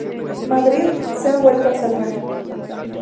Madrid se ha vuelto a salvar.